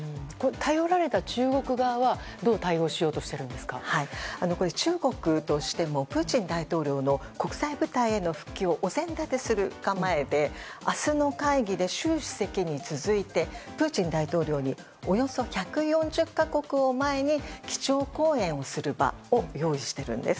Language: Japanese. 頼られた中国側はどう対応しようと中国としてもプーチン大統領の国際舞台への復帰をおぜん立てする構えで明日の会議で習主席に続いてプーチン大統領におよそ１４０か国を前に基調講演をする場を用意しているんです。